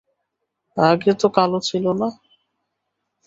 আগে তো কালো ছিল না!